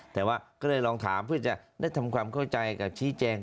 แต่ว่าก็เลยลองถามเพื่อจะได้ทำความเข้าใจกับชี้แจง